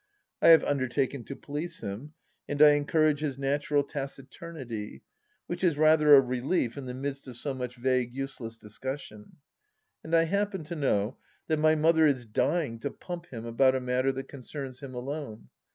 . I have undertaken to police him, and I encourage his natural taciturnity, which is rather a relief in the midst of so much vague useless discussion. And I happen to know that my mother is dying to pump him about a matter that concerns him alone.